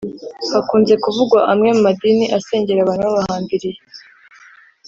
Hakunze kuvugwa amwe mu madini asengera abantu babahambiriye